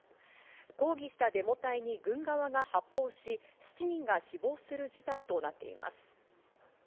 抗議したデモ隊に軍側が発砲し７人が死亡する事態となっています。